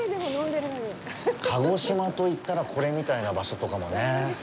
鹿児島といったら、これみたいな場所とかもね。